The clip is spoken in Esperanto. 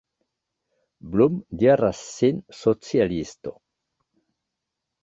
Blum diras sin socialisto.